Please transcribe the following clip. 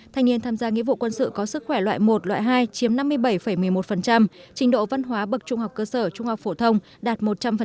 thanh niên tham gia nghĩa vụ quân sự có sức khỏe loại một loại hai chiếm năm mươi bảy một mươi một trình độ văn hóa bậc trung học cơ sở trung học phổ thông đạt một trăm linh